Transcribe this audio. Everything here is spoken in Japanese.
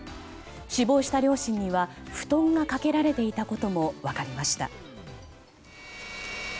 死亡した両親には布団が掛けられていたことも分かりました。